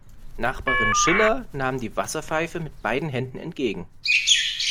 Nachbarin Schiller nahm die Wasserpfeife mit beiden Händen entgegen.